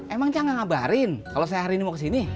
emang cang gak ngabarin kalau saya hari ini mau kesini